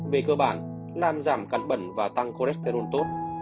về cơ bản làm giảm căn bẩn và tăng cholesterol tốt